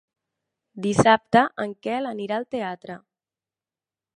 Dissabte en Quel anirà al teatre.